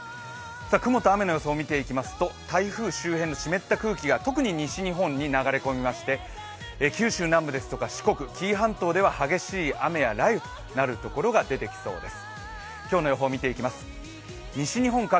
雲と雨の様子を見ていきますと、台風周辺の湿った空気が特に西日本に流れ込みまして九州南部ですとか四国、紀伊半島では激しい雨や雷雨になるところが出てきそうです